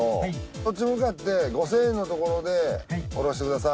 そっち向かって５，０００円のところで降ろしてください。